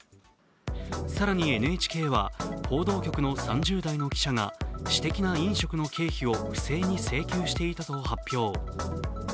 更にＮＨＫは、報道局の３０代の記者が私的な飲食の経費を不正に請求していたと発表。